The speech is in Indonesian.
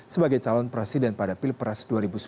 sebagai calon presiden pada pilpres dua ribu sembilan belas